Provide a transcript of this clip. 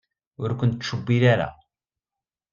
Ur ken-tettcewwil ara.